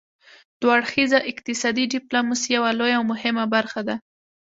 دوه اړخیزه اقتصادي ډیپلوماسي یوه لویه او مهمه برخه ده